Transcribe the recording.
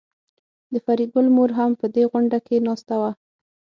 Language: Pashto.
د فریدګل مور هم په دې غونډه کې ناسته وه